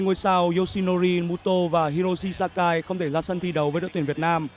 ngôi sao yoshinori muto và hiroshi sakai không thể ra sân thi đấu với đội tuyển việt nam